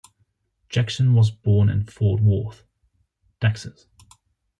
Jackson was born in Fort Worth, Texas.